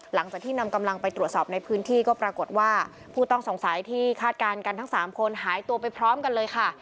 หลังจากที่นำกำลังไปตรวจสอบในพื้นที่ก็ปรากฏว่าผู้ต้องสงสัยที่คาดการณ์กันทั้ง๓คนหายตัวไปพร้อมกันเลยค่ะ